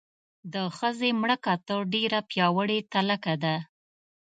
د ښځې مړه کاته ډېره پیاوړې تلکه ده.